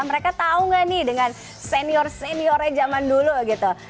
mereka tahu nggak nih dengan senior seniornya zaman dulu gitu